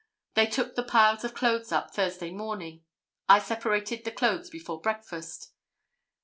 They took the piles of clothes up Thursday morning, I separated the clothes before breakfast.